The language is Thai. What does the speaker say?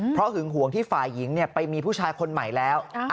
เพราะหึงห่วงที่ฝ่ายหญิงไปมีผู้ชายคนใหม่แล้ว